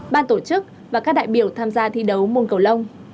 ban tổ chức và các đại biểu tham gia thi đấu môn cầu lông